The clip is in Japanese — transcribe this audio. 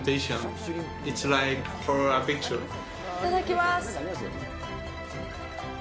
いただきます。